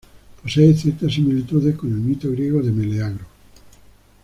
Posee ciertas similitudes con el mito griego de Meleagro.